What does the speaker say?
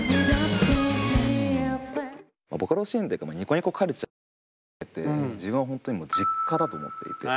ボカロシーンっていうかニコニコカルチャー全体含めて自分は本当に実家だと思っていて。